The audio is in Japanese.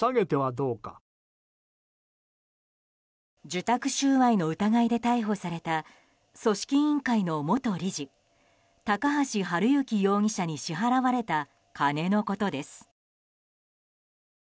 受託収賄の疑いで逮捕された組織委員会の元理事高橋治之容疑者に支払われた金のことです。